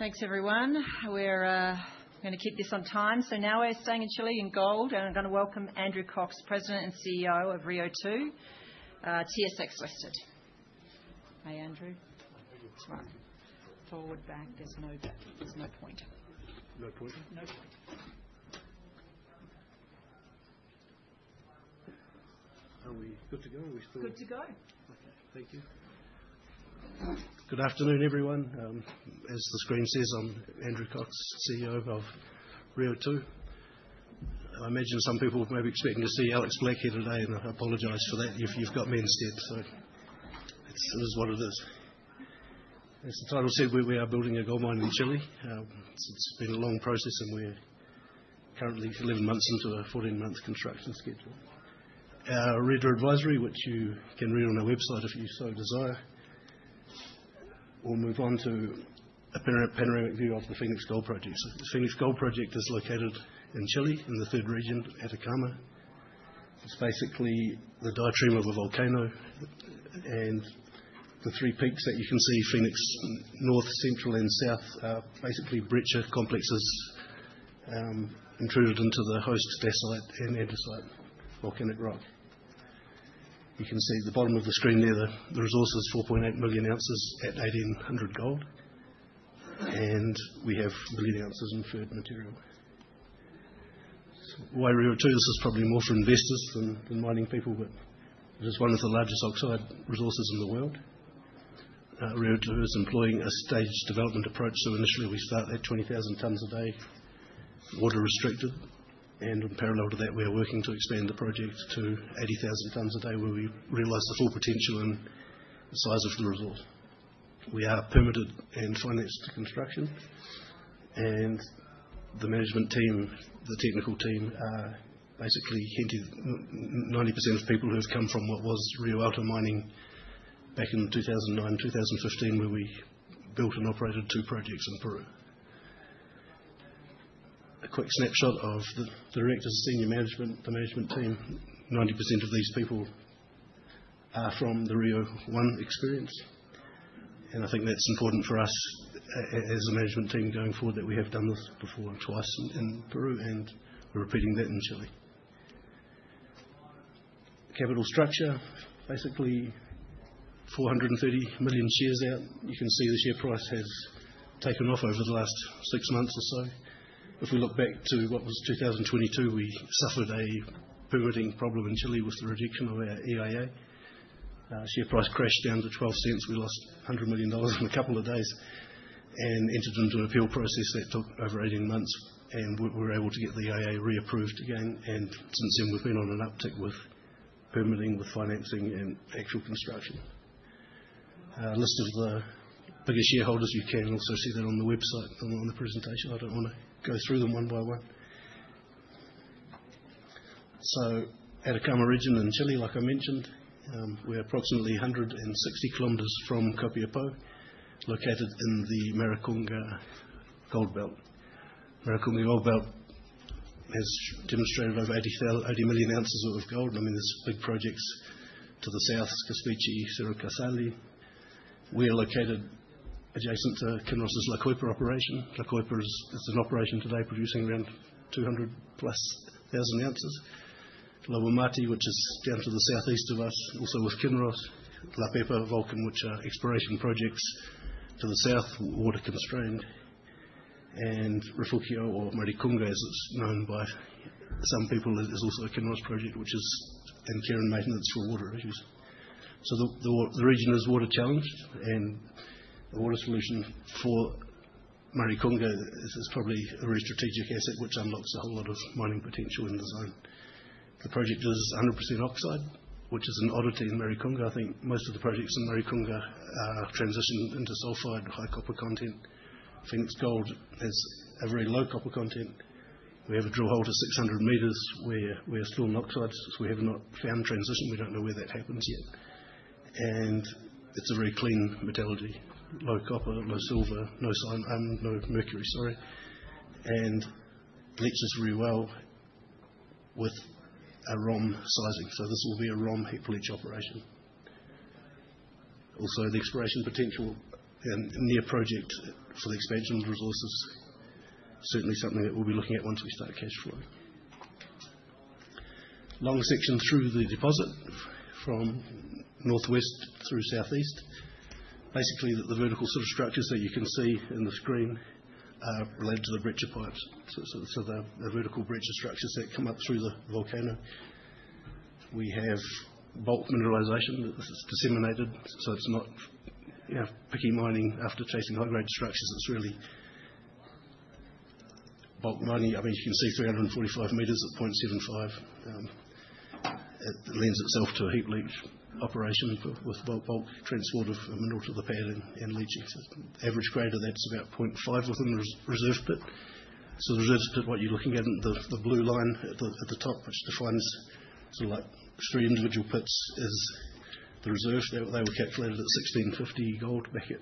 Thanks everyone. We're going to keep this on time. Now we're staying in Chile in gold. I'm going to welcome Andrew Cox, President and CEO of Rio2, TSX Venture. Hey, Andrew. Hi. That's fine. Forward, back, there's no point. No pointer? No point. Are we good to go? Are we still? Good to go. Okay. Thank you. Good afternoon, everyone. As the screen says, I'm Andrew Cox, CEO of Rio2. I imagine some people were maybe expecting to see Alex Black here today, and I apologize for that. You've got me instead, so it is what it is. As the title said, we are building a gold mine in Chile. It's been a long process, and we're currently 11 months into a 14-month construction schedule. Our reader advisory, which you can read on our website if you so desire. We'll move on to a panoramic view of the Fénix Gold Project. The Fénix Gold Project is located in Chile in the third region, Atacama. It's basically the diatreme of a volcano, and the three peaks that you can see, Fénix North, Central, and South, are basically breccia complexes intruded into the host dacite and andesite volcanic rock. You can see at the bottom of the screen there, the resource is 4.8 million ounces at 1,800 gold. We have a million ounces in inferred material. Why Rio2? This is probably more for investors than mining people, but it is one of the largest oxide resources in the world. Rio2 is employing a staged development approach, so initially we start at 20,000 tons a day, water restricted. In parallel to that, we are working to expand the project to 80,000 tons a day, where we realize the full potential and the size of the resource. We are permitted and financed to construction. The management team, the technical team are basically 90% of people who have come from what was Rio Alto Mining back in 2009/2015, where we built and operated two projects in Peru. A quick snapshot of the directors, senior management, the management team. 90% of these people are from the Rio One experience. I think that's important for us as a management team going forward, that we have done this before twice in Peru, and we're repeating that in Chile. Capital structure, basically 430 million shares out. You can see the share price has taken off over the last six months or so. If we look back to what was 2022, we suffered a permitting problem in Chile with the rejection of our EIA. Share price crashed down to 0.12. We lost 100 million dollars in a couple of days and entered into appeal process that took over 18 months, and we were able to get the EIA reapproved again. Since then, we've been on an uptick with permitting, with financing, and actual construction. A list of the bigger shareholders. You can also see that on the website, on the presentation. I don't want to go through them one by one. Atacama region in Chile, like I mentioned. We're approximately 160 km from Copiapó, located in the Maricunga Gold Belt. Maricunga Gold Belt has demonstrated over 80 million ounces worth of gold. There's big projects to the south, Caspiche, Cerro Casale. We are located adjacent to Kinross's La Coipa operation. La Coipa is an operation today producing around 200-plus thousand ounces. La Alumbrera, which is down to the southeast of us, also with Kinross. La Pepa, Volcan, which are exploration projects to the south, water-constrained. Refugio, or Maricunga as it's known by some people, is also a Kinross project, which is in care and maintenance for water issues. The region is water-challenged, and the water solution for Maricunga is probably a very strategic asset which unlocks a whole lot of mining potential in the zone. The project is 100% oxide, which is an oddity in Maricunga. I think most of the projects in Maricunga are transitioned into sulfide, high copper content. Fenix Gold has a very low copper content. We have a drill hole to 600 m where we are still in oxides. We have not found transition. We don't know where that happens yet. It's a very clean metallurgy. Low copper, low silver, no mercury. Leaches very well with a ROM sizing. This will be a ROM heap leach operation. Also, the exploration potential in near project for the expansion of the resource is certainly something that we'll be looking at once we start cash flow. Long section through the deposit from northwest through southeast. Basically, the vertical sort of structures that you can see in the screen are related to the breccia pipes. The vertical breccia structures that come up through the volcano. We have bulk mineralization. This is disseminated, so it's not picking mining after chasing high-grade structures. It's really bulk mining. You can see 345 m at 0.75. It lends itself to a heap leach operation with bulk transport of mineral to the pad and leaching to average grade of that's about 0.5 within res-reserve pit. The reserve pit, what you're looking at in the blue line at the top, which defines sort of like three individual pits, is the reserve. They were calculated at 1,650 gold back at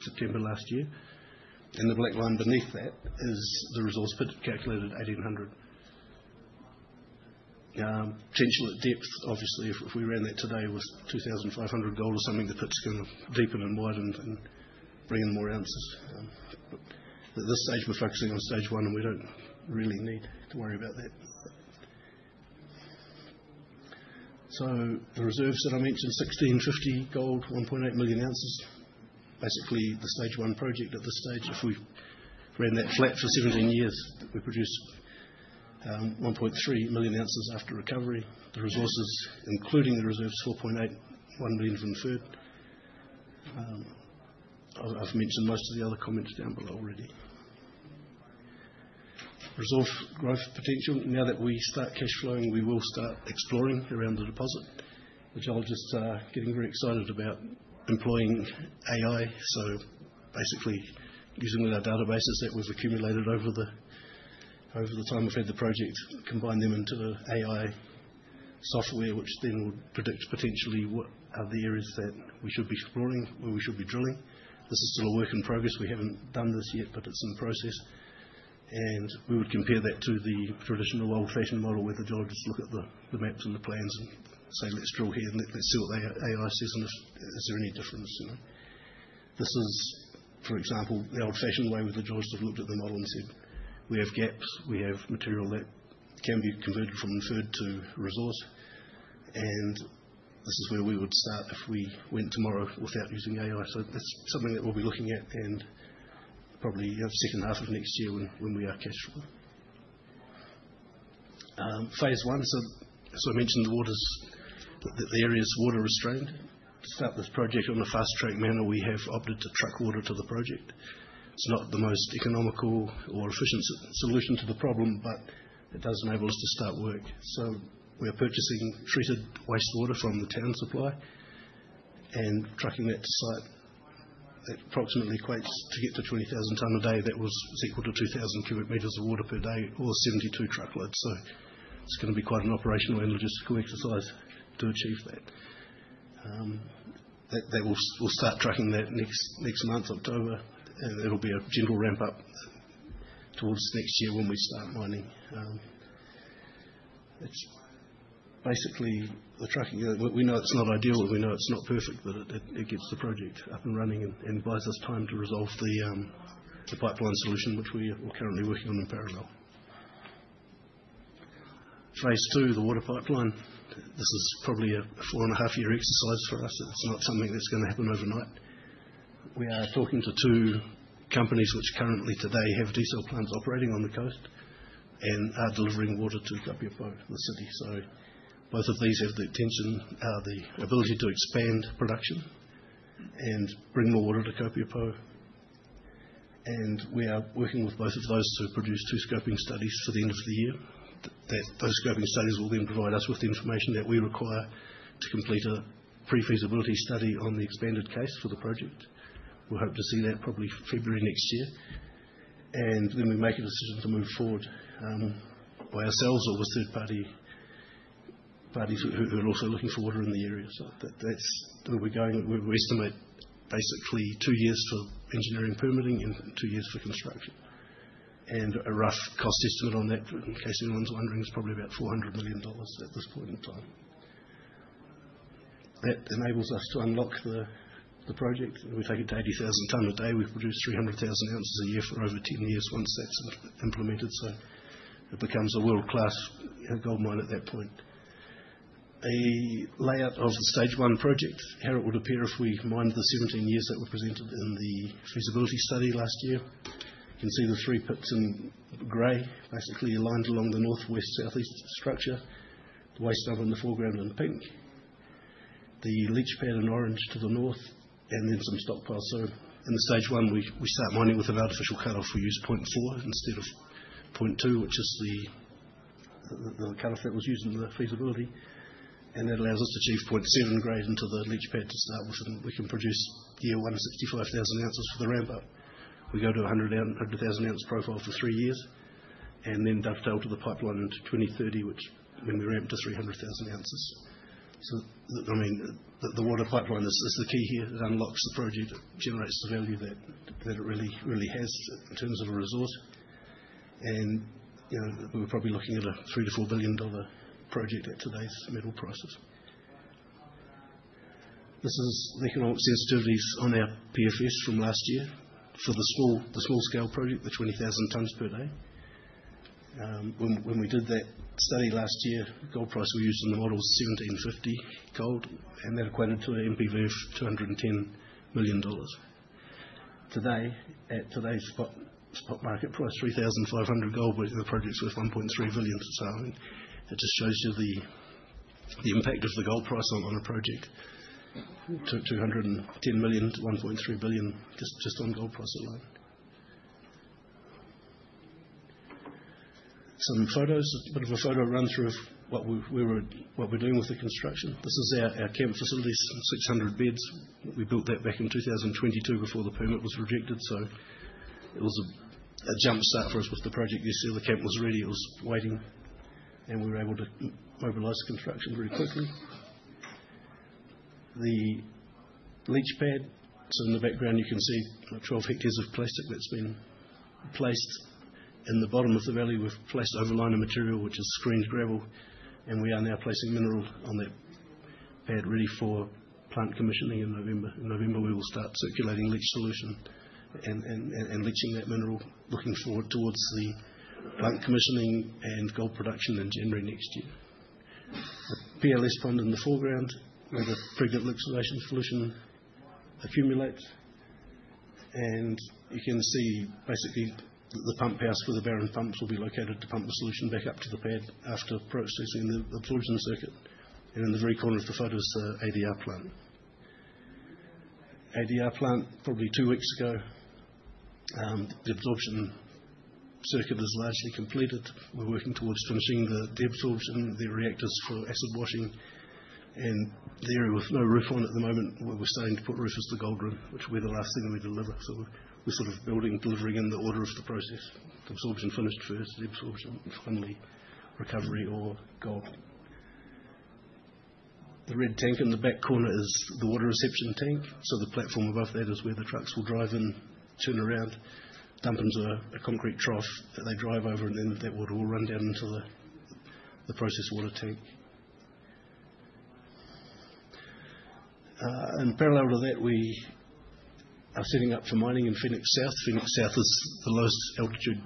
September last year. The black line beneath that is the resource pit calculated 1,800. Potential at depth. Obviously, if we ran that today with 2,500 gold or something, the pit's going to deepen and widen and bring in more ounces. At this stage, we're focusing on stage 1, and we don't really need to worry about that. The reserves that I mentioned, 1,650 gold, 1.8 million ounces. Basically, the stage 1 project at this stage. If we ran that flat for 17 years, we produce 1.3 million ounces after recovery. The resources, including the reserves, 4.8 million, 1 million inferred. I've mentioned most of the other comments down below already. Resource growth potential. Now that we start cash flowing, we will start exploring around the deposit. The geologists are getting very excited about employing AI. Basically, using all our databases that we've accumulated over the time we've had the project, combine them into the AI software, which then will predict potentially what are the areas that we should be exploring, where we should be drilling. This is still a work in progress. We haven't done this yet, but it's in process. We would compare that to the traditional old-fashioned model where the geologists look at the maps and the plans and say, "Let's drill here," and let's see what AI says, and is there any difference. This is, for example, the old-fashioned way where the geologists have looked at the model and said, "We have gaps. We have material that can be converted from inferred to resource." This is where we would start if we went tomorrow without using AI. That's something that we'll be looking at in probably second half of next year when we are cash flowing. Phase 1. As I mentioned, the area's water-restrained. To start this project in a fast-track manner, we have opted to truck water to the project. It's not the most economical or efficient solution to the problem, but it does enable us to start work. We are purchasing treated wastewater from the town supply and trucking that to site. That approximately equates to get to 20,000 tons a day. That was equal to 2,000 cubic meters of water per day or 72 truckloads. It's going to be quite an operational and logistical exercise to achieve that. We'll start trucking that next month, October, and it'll be a gentle ramp-up towards next year when we start mining. Basically, the trucking, we know it's not ideal. We know it's not perfect, but it gets the project up and running and buys us time to resolve the pipeline solution, which we are currently working on in parallel. Phase 2, the water pipeline. This is probably a four-and-a-half-year exercise for us. It's not something that's going to happen overnight. We are talking to two companies which currently today have desal plants operating on the coast and are delivering water to Copiapó, the city. Both of these have the intention, the ability to expand production and bring more water to Copiapó. We are working with both of those to produce two scoping studies for the end of the year. Those scoping studies will then provide us with the information that we require to complete a pre-feasibility study on the expanded case for the project. We hope to see that probably February next year. Then we make a decision to move forward by ourselves or with third parties who are also looking for water in the area. That's where we're going. We estimate basically two years for engineering permitting and two years for construction. A rough cost estimate on that, in case anyone's wondering, is probably about 400 million dollars at this point in time. That enables us to unlock the project, we take it to 80,000 tons a day. We produce 300,000 ounces a year for over 10 years once that's implemented. It becomes a world-class gold mine at that point. A layout of the stage 1 project, how it would appear if we mined the 17 years that were presented in the feasibility study last year. You can see the three pits in gray, basically aligned along the northwest-southeast structure. The waste dump in the foreground in pink. The leach pad in orange to the north, some stockpiles. In the stage 1, we start mining with an artificial cutoff. We use 0.4 instead of 0.2, which is the cutoff that was used in the feasibility. That allows us to achieve 0.7 grade into the leach pad to start with, we can produce year 1, 65,000 ounces for the ramp-up. We go to 100,000-ounce profile for 3 years, dovetail to the pipeline into 2030, when we ramp to 300,000 ounces. The water pipeline is the key here. It unlocks the project. It generates the value that it really has in terms of a resource. We're probably looking at a 3 billion-4 billion dollar project at today's metal prices. This is the economic sensitivities on our PFS from last year for the small-scale project, the 20,000 tons per day. When we did that study last year, gold price we used in the model was 1,750 gold, and that equated to an NPV of $210 million. Today, at today's spot market price, 3,500 gold, the project's worth $1.3 billion. It just shows you the impact of the gold price on a project. $210 million to $1.3 billion just on gold price alone. Some photos, a bit of a photo run-through of what we're doing with the construction. This is our camp facilities, 600 beds. We built that back in 2022 before the permit was rejected. It was a jump start for us with the project. This year, the camp was ready. It was waiting, and we were able to mobilize construction very quickly. The leach pad. In the background, you can see 12 hectares of plastic that's been placed. In the bottom of the valley, we've placed overliner material, which is screened gravel, and we are now placing mineral on that pad ready for plant commissioning in November. In November, we will start circulating leach solution and leaching that mineral, looking forward towards the plant commissioning and gold production in January next year. The PLS pond in the foreground, where the pregnant leach solution accumulates. You can see basically the pump house where the barren pumps will be located to pump the solution back up to the pad after processing the absorption circuit. In the very corner of the photo is the ADR plant. ADR plant, probably 2 weeks ago. The absorption circuit is largely completed. We're working towards finishing the deabsorption, the reactors for acid washing. The area with no roof on at the moment, we're starting to put roof is the gold room, which will be the last thing that we deliver. We're sort of building, delivering in the order of the process. Absorption finished first, deabsorption, and finally, recovery or gold. The red tank in the back corner is the water reception tank. The platform above that is where the trucks will drive in, turn around, dump into a concrete trough that they drive over, then that water will run down into the process water tank. Parallel to that, we are setting up for mining in Fenix South. Fenix South is the lowest altitude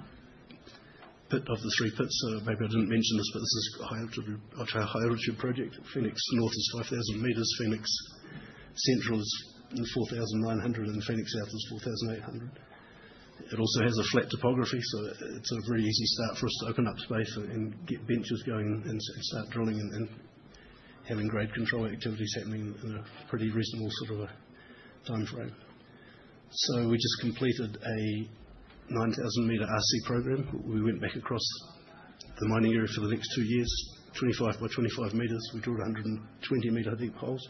pit of the three pits. Maybe I didn't mention this, but this is a high altitude project. Fenix North is 5,000 meters, Fenix Central is 4,900, and Fenix South is 4,800. It also has a flat topography, so it's a very easy start for us to open up space and get benches going and start drilling and having grade control activities happening in a pretty reasonable timeframe. We just completed a 9,000-meter RC program. We went back across the mining area for the next two years, 25 by 25 meters. We drilled 120-meter deep holes,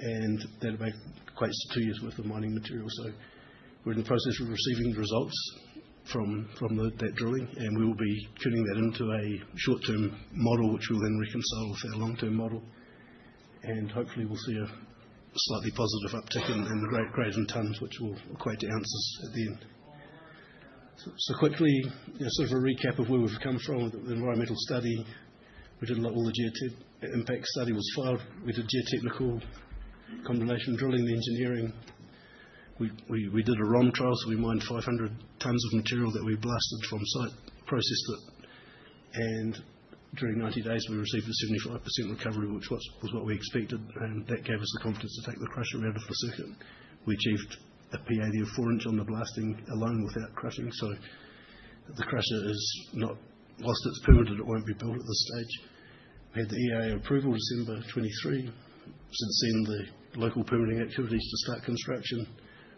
that equates to two years' worth of mining material. We're in the process of receiving the results from that drilling, we will be turning that into a short-term model, which we'll then reconcile with our long-term model. Hopefully we'll see a slightly positive uptick in the grade and tonnes, which will equate to ounces at the end. Quickly, sort of a recap of where we've come from. The environmental study. We did all the geotech. Impact study was filed. We did geotechnical, comminution drilling, the engineering. We did a ROM trial, we mined 500 tonnes of material that we blasted from site, processed it, during 90 days, we received a 75% recovery, which was what we expected, that gave us the confidence to take the crusher out of the circuit. We achieved a P80 of 4 inch on the blasting alone without crushing. The crusher, whilst it's permitted, it won't be built at this stage. We had the EIA approval December 2023. Since then, the local permitting activities to start construction.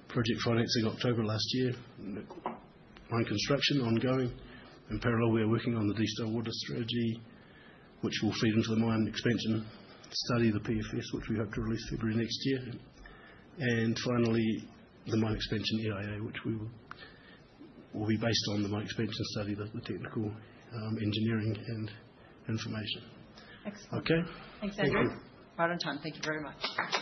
Project financing October last year. Mine construction ongoing. In parallel, we are working on the distal water strategy, which will feed into the mine expansion study, the PFS, which we hope to release February 2024. Finally, the mine expansion EIA, which will be based on the mine expansion study, the technical engineering and information. Excellent. Okay. Thanks, Andrew. Thank you. Right on time. Thank you very much.